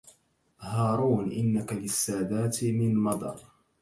هارون إنك للسادات من مضر